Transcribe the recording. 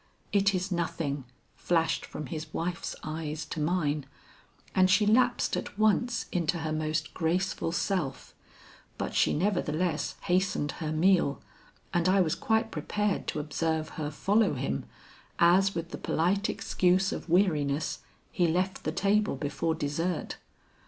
'It is nothing,' flashed from his wife's eyes to mine, and she lapsed at once into her most graceful self, but she nevertheless hastened her meal and I was quite prepared to observe her follow him, as with the polite excuse of weariness, he left the table before desert.